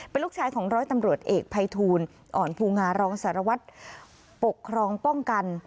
เป็นลูกชายของร้อยตำรวจเอกภัยทูลอ่อนภูงารองสารวัตรปกครองป้องกัน